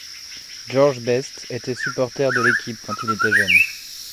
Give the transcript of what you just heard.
George Best était supporter de l’équipe quand il était jeune.